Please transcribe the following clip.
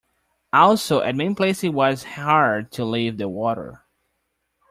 Also, at many places it was hard to leave the water.